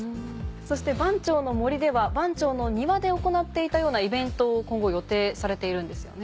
そして番町の森では番町の庭で行っていたようなイベントを今後予定されているんですよね？